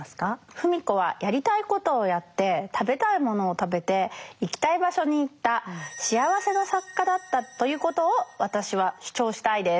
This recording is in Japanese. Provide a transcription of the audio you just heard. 芙美子はやりたいことをやって食べたいものを食べて行きたい場所に行った「幸せな作家」だったということを私は主張したいです。